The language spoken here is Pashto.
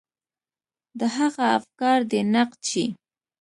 د هغه افکار دې نقد شي.